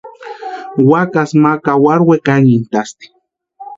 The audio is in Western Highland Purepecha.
Wakasï ma kawarurhu wekanhintʼasti.